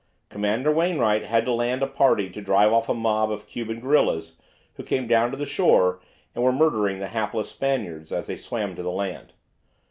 Commander Wainwright had to land a party to drive off a mob of Cuban guerillas, who came down to the shore, and were murdering the hapless Spaniards as they swam to the land.